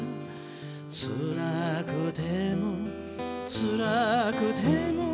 「つらくてもつらくても」